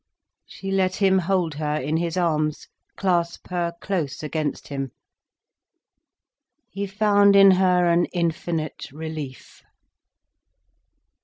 She let him hold her in his arms, clasp her close against him. He found in her an infinite relief.